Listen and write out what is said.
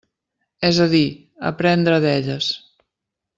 És a dir, aprendre d'elles.